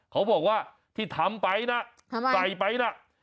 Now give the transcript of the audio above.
เขาบอกว่าที่ทำไปนะใส่ไปนะ